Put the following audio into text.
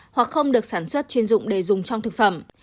hoặc không được sản xuất chuyên dụng để dùng trong thực phẩm